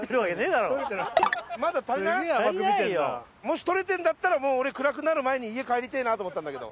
し撮れてんだったらもう俺暗くなる前に帰りてえなと思ったんだけど。